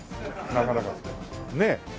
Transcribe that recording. なかなかねえ。